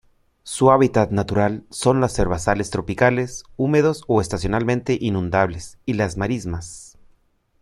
Su hábitat natural son los herbazales tropicales húmedos o estacionalmente inundables y las marismas.